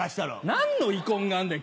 何の遺恨があんだよ！